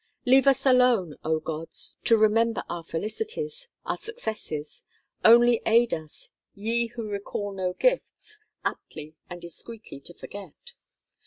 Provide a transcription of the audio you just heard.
Leave us alone, O gods, to remember our felicities, our successes: only aid us, ye who recall no gifts, aptly and discreetly to forget.